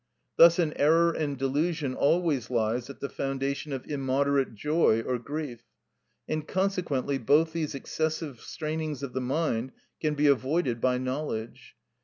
Thus an error and delusion always lies at the foundation of immoderate joy or grief, and consequently both these excessive strainings of the mind can be avoided by knowledge.